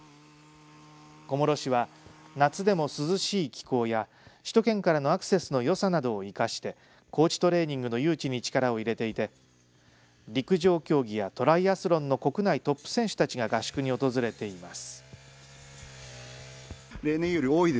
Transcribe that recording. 小諸市は夏でも涼しい気候や首都圏からのアクセスのよさなどを生かして高地トレーニングの誘致に力を入れていて陸上競技やトライアスロンの国内トップ選手たちが合宿に訪れています。